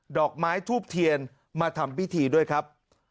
ดอกไม้ทูบเทียนมาทำพิธีด้วยครับ